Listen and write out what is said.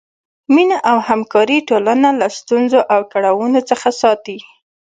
مینه او همکاري ټولنه له ستونزو او کړاوونو څخه ساتي.